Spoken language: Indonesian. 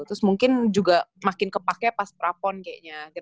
terus mungkin juga makin kepake pas prapon kayak gitu